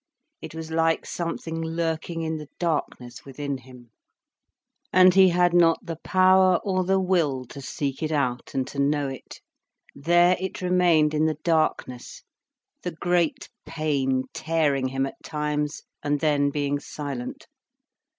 It was like something lurking in the darkness within him. And he had not the power, or the will, to seek it out and to know it. There it remained in the darkness, the great pain, tearing him at times, and then being silent.